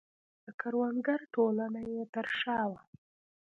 د کروندګرو ټولنه یې تر شا وه.